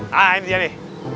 nah ini dia nih